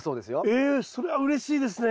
ええそれはうれしいですね！